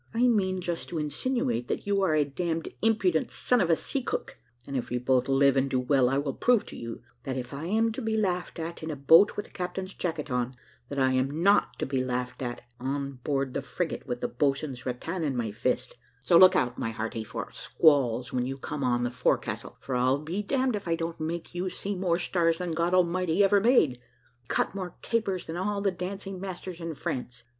I mean just to insinuate, that you are a damned impudent son of a sea cook; and if we both live and do well, I will prove to you, that if I am to be laughed at in a boat with the captain's jacket on, that I am not to be laughed at on board the frigate with the boatswain's rattan in my fist; and so look out, my hearty, for squalls, when you come on the forecastle; for I'll be damned if I don't make you see more stars than God Almighty ever made, and cut more capers than all the dancing masters in France.